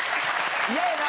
嫌やな。